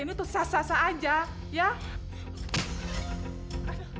anissa gak mau tante